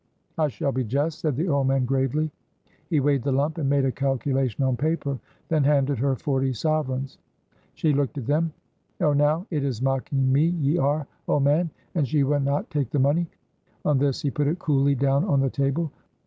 "I shall be just," said the old man gravely. He weighed the lump and made a calculation on paper, then handed her forty sovereigns. She looked at them. "Oh, now, it is mocking me ye are, old man;" and she would not take the money. On this he put it coolly down on the table.